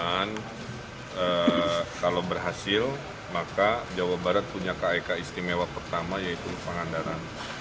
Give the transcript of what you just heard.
dan kalau berhasil maka jawa barat punya kik istimewa pertama yaitu pangandaran